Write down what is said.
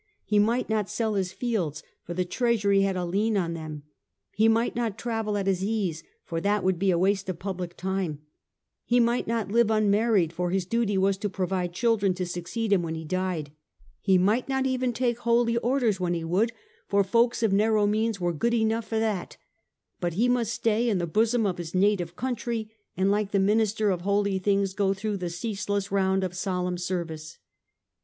He might not sell his fields, for the treasury had a lien on them ; he might not travel at his ease, for that would be a waste of public time ; he might not live unmarried, for his duty was to provide children to succeed him when he died ; he might not even take Holy Orders when he would, for folks of narrow means were good enough for that, but 'he must stay in the bosom of his native country, and, like the minister of holy things, go through the ceaseless round of solemn service.'